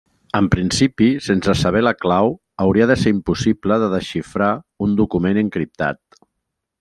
En principi, sense saber la clau, hauria de ser impossible de desxifrar un document encriptat.